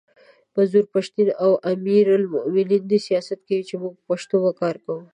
منظور پښتین او امیر المومنین دي سیاست کوي موږ به پښتو به کار کوو!